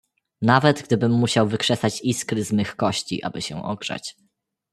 "Nawet, gdybym musiał wykrzesać iskry z mych kości, aby się ogrzać."